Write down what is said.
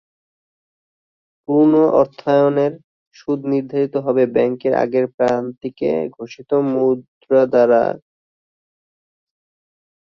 পুনঃ অর্থায়নের সুদ নির্ধারিত হবে ব্যাংকের আগের প্রান্তিকে ঘোষিত মুদারাবা সঞ্চয়ী হিসাবের সমান।